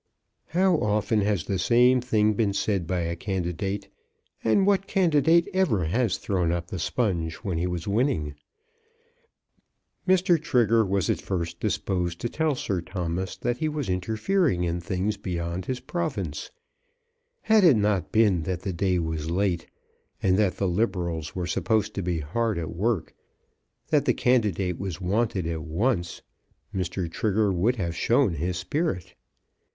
How often has the same thing been said by a candidate, and what candidate ever has thrown up the sponge when he was winning? Mr. Trigger was at first disposed to tell Sir Thomas that he was interfering in things beyond his province. Had it not been that the day was late, and that the Liberals were supposed to be hard at work, that the candidate was wanted at once, Mr. Trigger would have shown his spirit.